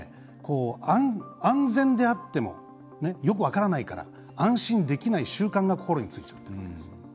安全であってもよく分からないから安心できない習慣が心についちゃってるんです。